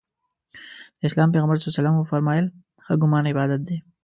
د اسلام پیغمبر ص وفرمایل ښه ګمان عبادت دی.